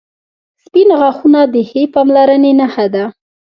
• سپین غاښونه د ښې پاملرنې نښه ده.